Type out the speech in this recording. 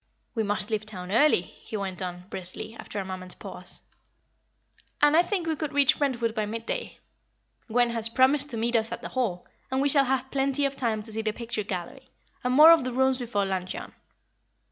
"We must leave town early," he went on, briskly, after a moment's pause "and I think we could reach Brentwood by midday. Gwen has promised to meet us at the Hall, and we shall have plenty of time to see the picture gallery, and more of the rooms before luncheon.